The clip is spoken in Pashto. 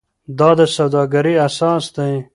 دا د سوداګرۍ اساس دی.